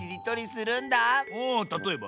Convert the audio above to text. おぉたとえば？